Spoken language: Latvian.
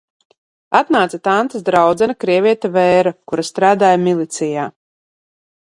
Atnāca tantes draudzene krieviete Vēra, kura strādāja milicijā.